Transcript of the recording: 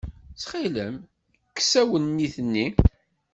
Ttxilem, kkes awennit-nni.